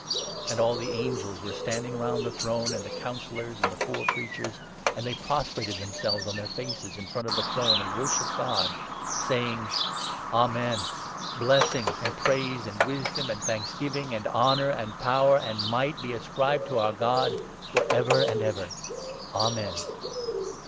And all the angels were standing round the throne and the il Councillors and the four Creatures, and they prostrated them , selves on their faces in front of the throne and worshipped God, saying — 12 ' Amen. Blessing, and praise, and wisdom, and thanksgiving, and honour, and power, and might be ascribed to our God for ever and ever. Amen.